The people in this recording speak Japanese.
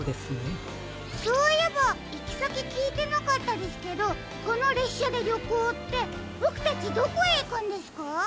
そういえばいきさききいてなかったですけどこのれっしゃでりょこうってボクたちどこへいくんですか？